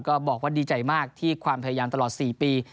บอกว่าดีใจมากที่ความพยายามตลอด๔ปี